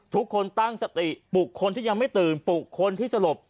ทุกคนตั้งสติปลุกคนที่ยังไม่ตื่นปลุกคนที่สลบ